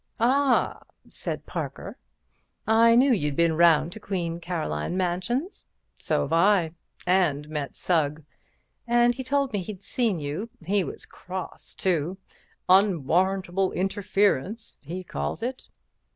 "Ah," said Parker, "I knew you'd been round to Queen Caroline Mansions. So've I, and met Sugg, and he told me he'd seen you. He was cross, too. Unwarrantable interference, he calls it."